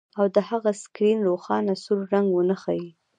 او د هغه سکرین روښانه سور رنګ ونه ښيي